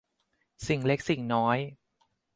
สิ่งเล็กสิ่งน้อย